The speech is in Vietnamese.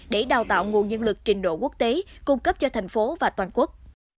để đào tạo nguồn nhân lực trình độ quốc tế cung cấp cho thành phố và toàn quốc